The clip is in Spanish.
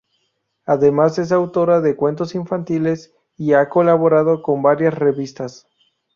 Además es autora de cuentos infantiles, y ha colaborado con varias revistas.